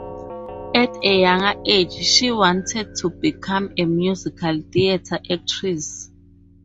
At a younger age, she wanted to become a musical theatre actress.